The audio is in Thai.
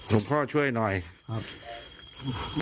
ลุงพ่อช่วยหน่อยครับผม